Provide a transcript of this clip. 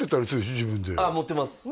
自分であっ持ってます